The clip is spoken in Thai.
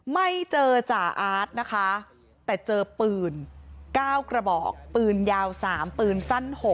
ไม่เจอจ่าอาร์ตนะคะแต่เจอปืน๙กระบอกปืนยาว๓ปืนสั้น๖